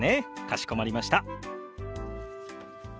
かしこまりました。